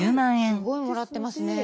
すごいもらってますね。